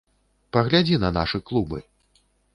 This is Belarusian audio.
Паглядзі на нашы клубы.